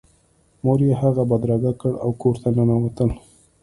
مور یې هغه بدرګه کړ او کور ته ننوتل